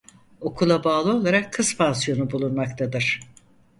Okula bağlı olarak kız pansiyonu bulunmaktadır.